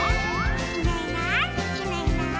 「いないいないいないいない」